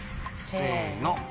せの。